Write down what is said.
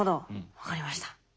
分かりました。